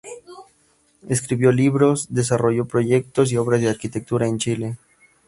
Escribió libros, desarrolló proyectos y obras de arquitectura en Chile.